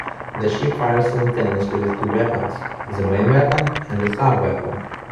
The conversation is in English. The ship fires simultaneously with two weapons: the main weapon and the sub-weapon.